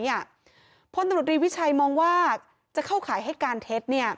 พลตำรวจรีวิชัยมองว่าจะเข้าข่ายให้การเท็จ